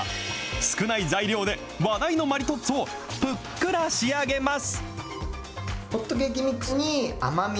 少ない材料で話題のマリトッツォをふっくら仕上げます。